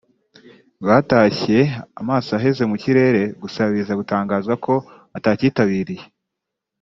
batashye amaso aheze mu kirere gusa biza gutangazwa ko atacyitabiriye